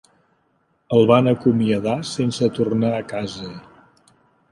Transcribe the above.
El van acomiadar sense tornar a casa.